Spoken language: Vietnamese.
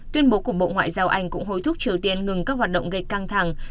tuyên bố của bộ ngoại giao anh cũng hối thúc triều tiên ngừng các hoạt động gây căng thẳng